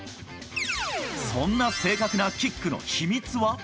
そんな正確なキックの秘密は。